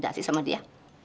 gak sih sama dia